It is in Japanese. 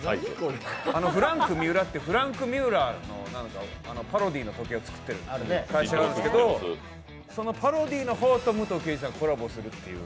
フランクみうらってフランクミュラーのパロディの時計を作ってるんですけどそのパロディの方と武藤敬司さんがコラボするという。